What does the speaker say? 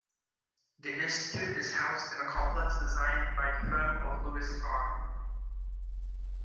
The institute is housed in a complex designed by the firm of Louis Kahn.